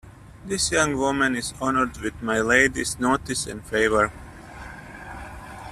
This young woman is honoured with my Lady's notice and favour.